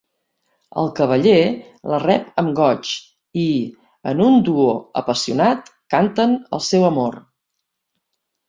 El cavaller la rep amb goig i, en un duo apassionat, canten el seu amor.